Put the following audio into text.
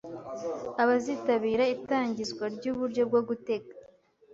abazitabira itangizwa ry’uburyo bwo gutega